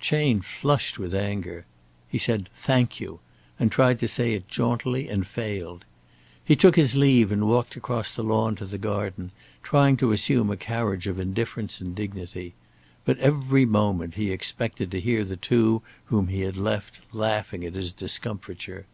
Chayne flushed with anger. He said, "Thank you," and tried to say it jauntily and failed. He took his leave and walked across the lawn to the garden, trying to assume a carriage of indifference and dignity. But every moment he expected to hear the two whom he had left laughing at his discomfiture.